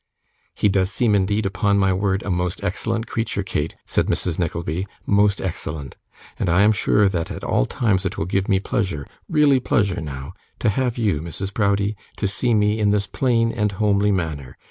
'He does seem indeed, upon my word, a most excellent creature, Kate,' said Mrs. Nickleby; 'most excellent. And I am sure that at all times it will give me pleasure really pleasure now to have you, Mrs. Browdie, to see me in this plain and homely manner.